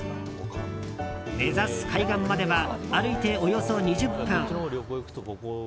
目指す海岸までは歩いておよそ２０分。